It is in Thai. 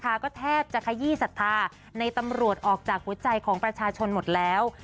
ก็แทบจะขยี้ศรัทธาในตำรวจออกจากหัวใจของประชาชนหมดแล้ว